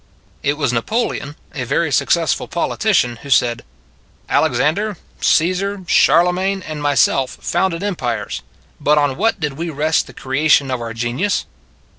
It was Napoleon a very successful politician who said: Alexander, Caesar, Charlemagne, and myself founded empires. But on what did we rest the creation of our genius?